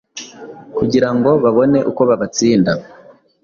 kugira ngo babone uko babatsinda